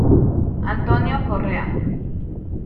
Antonio Correa